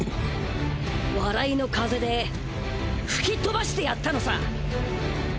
笑いの風で吹き飛ばしてやったのさ。